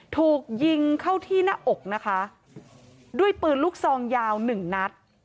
ถูกยิงเข้าที่หน้าอกนะคะด้วยปืนลูกซองยาวหนึ่งนัด